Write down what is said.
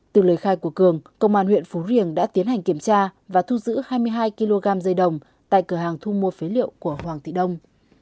từ lời khai của cường công an huyện phú riềng đã tiến hành kiểm tra và thu giữ hai mươi hai kg dây đồng tại cửa hàng thu mua phế liệu của hoàng thị đông